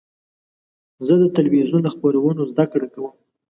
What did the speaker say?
زه د تلویزیون له خپرونو زده کړه کوم.